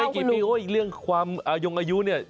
อีกไม่กี่ปีอุ๊ยอีกเรื่องความย่งอายุ